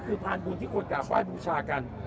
ซึ่งบนบานศรัลกราว